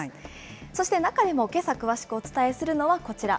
そして中でもけさ、詳しくお伝えするのはこちら。